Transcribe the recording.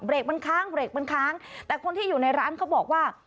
เบรกมันค้างแต่คนที่อยู่ในร้านก็บอกว่า